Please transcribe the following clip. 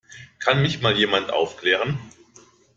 Kann mich mal jemand aufklären?